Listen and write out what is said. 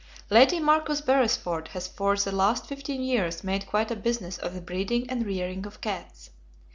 Lady Marcus Beresford has for the last fifteen years made quite a business of the breeding and rearing of cats.